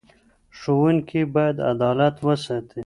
ښوونکي باید عدالت وساتي.